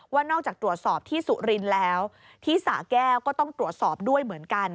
ว่านอกจากตรวจสอบที่สุรินทร์แล้วที่สะแก้วก็ต้องตรวจสอบด้วยเหมือนกัน